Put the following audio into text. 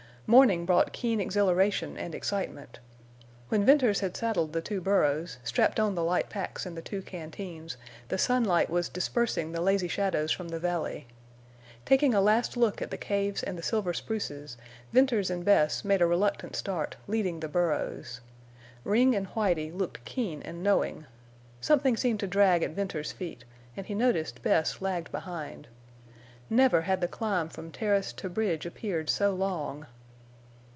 Morning brought keen exhilaration and excitement. When Venters had saddled the two burros, strapped on the light packs and the two canteens, the sunlight was dispersing the lazy shadows from the valley. Taking a last look at the caves and the silver spruces, Venters and Bess made a reluctant start, leading the burros. Ring and Whitie looked keen and knowing. Something seemed to drag at Venters's feet and he noticed Bess lagged behind. Never had the climb from terrace to bridge appeared so long.